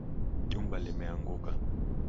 Jumba limeanguka